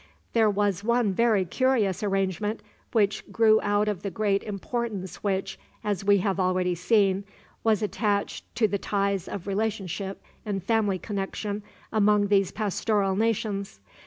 There was one very curious arrangement, which grew out of the great importance which, as we have already seen, was attached to the ties of relationship and family connection among these pastoral nations.